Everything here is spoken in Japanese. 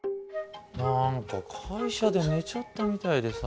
何か会社で寝ちゃったみたいでさ。